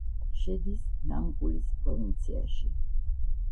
შედის ნამპულის პროვინციაში.